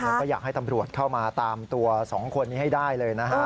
แล้วก็อยากให้ตำรวจเข้ามาตามตัว๒คนนี้ให้ได้เลยนะฮะ